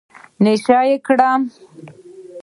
نشه يي کړم.